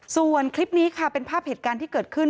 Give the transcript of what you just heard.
ส่วนคลิปนี้ค่ะเป็นภาพเหตุการณ์ที่เกิดขึ้น